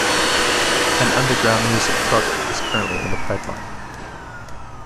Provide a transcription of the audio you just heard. An underground music project is currently in the pipeline.